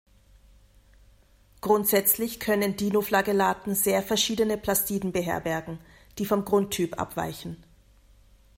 Grundsätzlich können Dinoflagellaten sehr verschiedene Plastiden beherbergen, die vom Grundtyp abweichen.